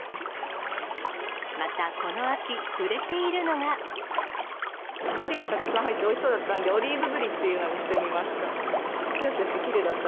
また、この秋、ぶりがたくさん入っておいしそうだったんで、オリーブぶりというのにしてみました。